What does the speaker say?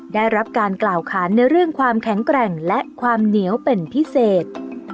ได้รับการกล่าวขานในเรื่องความแข็งแกร่งและความเหนียวเป็นพิเศษ